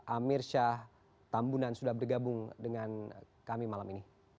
amir syah tambunan sudah bergabung dengan kami malam ini